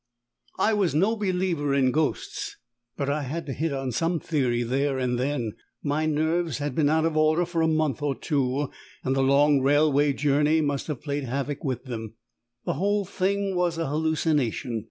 I was no believer in ghosts, but I had to hit on some theory there and then. My nerves had been out of order for a month or two, and the long railway journey must have played havoc with them. The whole thing was a hallucination.